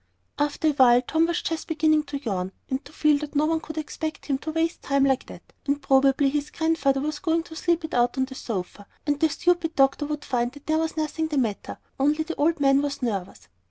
After awhile, Tom was just beginning to yawn, and to feel that no one could expect him to waste time like that, and probably his Grandfather was going to sleep it out on the sofa, and the stupid doctor would find that there was nothing the matter, only the old man was nervous.